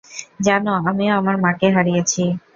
জানো, আমিও আমার মা-কে হারিয়েছি।